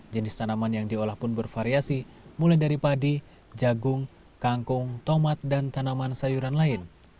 jenis tanaman yang diolah pun bervariasi mulai dari padi jagung kangkung tomat dan tanaman sayuran lain